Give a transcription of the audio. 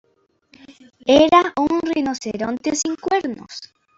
Era un rinoceronte sin cuernos.